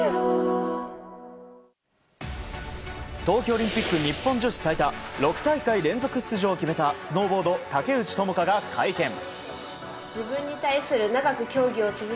東京オリンピック日本女子最多６大会連続出場を決めたスノーボード、竹内智香が会見。